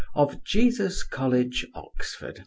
of Jesus college, Oxon.